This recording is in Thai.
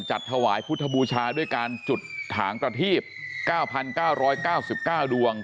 จัดถวายพุทธบูชาด้วยการจุดถางประทีบ๙๙๙๙ดวง